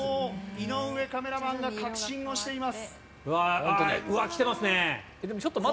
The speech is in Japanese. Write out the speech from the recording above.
井上カメラマンが確信をしています。